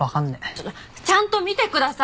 ちょっとちゃんと見てください。